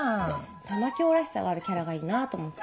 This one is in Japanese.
玉響らしさがあるキャラがいいなと思って。